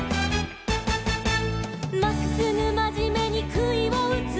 「まっすぐまじめにくいをうつ」